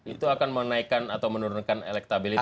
itu akan menaikkan atau menurunkan elektabilitas